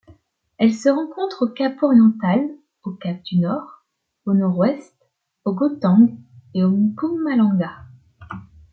Elle se rencontre au Cap-Oriental, au Cap-du-Nord, au Nord-Ouest, au Gauteng et au Mpumalanga.